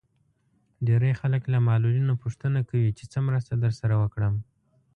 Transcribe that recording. ډېری خلک له معلولينو پوښتنه کوي چې څه مرسته درسره وکړم.